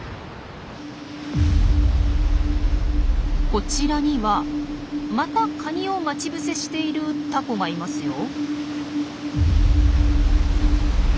こちらにはまたカニを待ち伏せしているタコがいますよ。